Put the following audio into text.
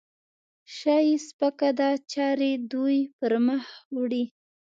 شا یې سپکه ده؛ چارې دوی پرمخ وړي.